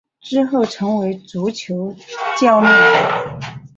之后成为足球教练。